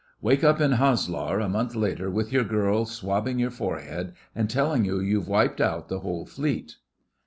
'Wake up in Haslar a month later with your girl swabbing your forehead and telling you you've wiped out the whole Fleet.